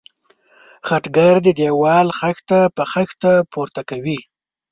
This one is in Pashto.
خټګر د دېوال خښته په خښته پورته کاوه.